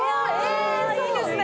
いいですね。